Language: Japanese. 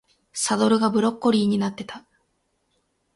サドルがブロッコリーになってた